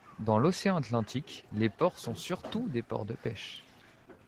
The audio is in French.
Dans l'Océan Atlantique, les ports sont surtout des ports de pêches.